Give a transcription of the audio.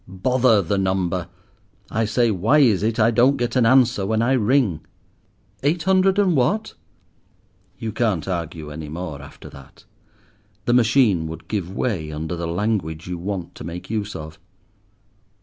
"Bother the number; I say why is it I don't get an answer when I ring?" "Eight hundred and what?" You can't argue any more, after that. The machine would give way under the language you want to make use of.